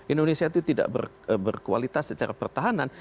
indonesia itu tidak berkualitas secara pertahanan